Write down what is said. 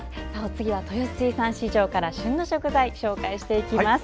次は豊洲水産市場から旬の食材、紹介していきます。